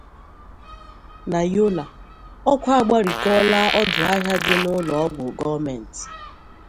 Na Yola, Ọkụ Agbarikọọla Ọdụ Ahịa Dị n'Ụlọọgwụ Gọọmenti